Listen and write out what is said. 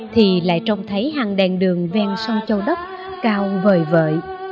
thì lại trông thấy hàng đèn đường ven sông châu đốc cao vời vợi